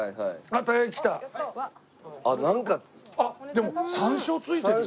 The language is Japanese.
でも山椒付いてるよ！